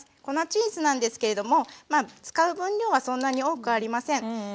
粉チーズなんですけれども使う分量はそんなに多くありません。